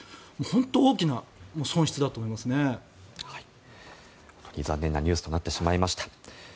本当に残念なニュースとなってしまいました。